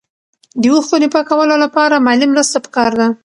د اوښکو د پاکولو لپاره مالي مرسته پکار ده.